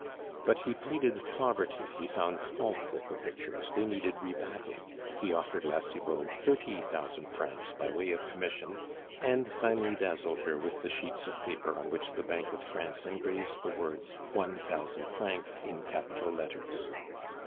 But he pleaded poverty, he found fault with the pictures, they needed rebacking, he offered La Cibot thirty thousand francs by way of commission, and finally dazzled her with the sheets of paper on which the Bank of France engraves the words "One thousand francs" in capital letters.